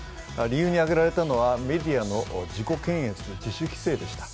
理由に挙げられたのはメディアの自己検閲、自主規制でした。